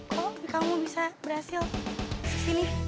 kok kamu bisa berhasil kesini